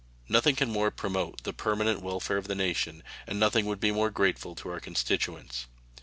Nothing can more promote the permanent welfare of the nation and nothing would be more grateful to our constituents.